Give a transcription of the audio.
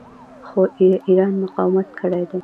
خو ایران مقاومت کړی دی.